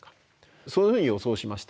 そういうふうに予想しました。